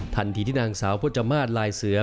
ทันทีที่นางสาวพจมาสลายเสือ